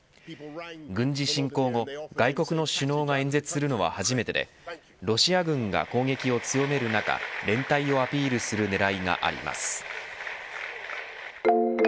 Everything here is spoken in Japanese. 軍事侵攻後外国の首脳が演説するのは初めてでロシア軍が攻撃を強める中連帯をアピールする狙いがあります。